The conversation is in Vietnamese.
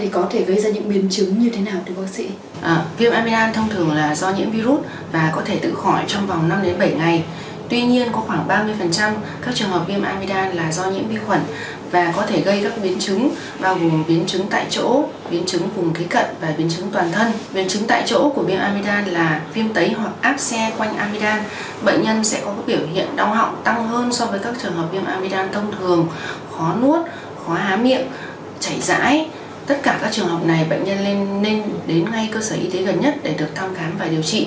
các bệnh nhân có thể gây các biến chứng kế cận và biến chứng toàn thân biến chứng tại chỗ của viêm amidam là viêm tấy hoặc áp xe quanh amidam bệnh nhân sẽ có biểu hiện đau họng tăng hơn so với các trường hợp viêm amidam tông thường khó nuốt khó há miệng chảy rãi tất cả các trường hợp này bệnh nhân nên đến ngay cơ sở y tế gần nhất để được thăm khám và điều trị